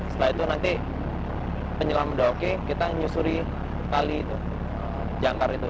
setelah itu nanti penyelam udah oke kita menyusuri tali itu